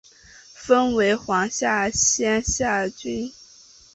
分为黄大仙下邨为租者置其屋计划屋邨。